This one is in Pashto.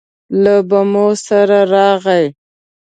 له بمو سره راغلې